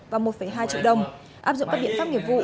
và một hai triệu đồng áp dụng các biện pháp nghiệp vụ